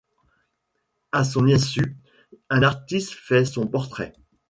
À son insu un artiste fait son portrait.